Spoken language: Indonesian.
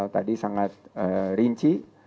tadi sangat rinci